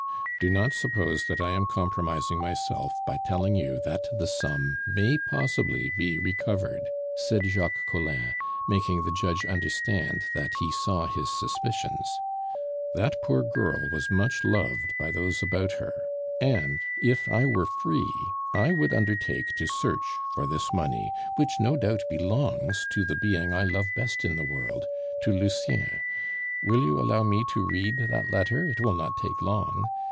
"Do not suppose that I am compromising myself by telling you that the sum may possibly be recovered," said Jacques Collin, making the judge understand that he saw his suspicions. "That poor girl was much loved by those about her; and if I were free, I would undertake to search for this money, which no doubt belongs to the being I love best in the world to Lucien! Will you allow me to read that letter; it will not take long?